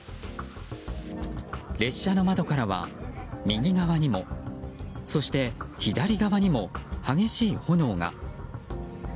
列車の窓からは右側にもそして左側にも激しい炎が。